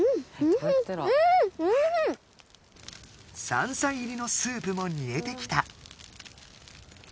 山菜入りのスープもにえてきた。